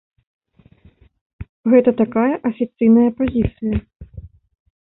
Гэта такая афіцыйная пазіцыя.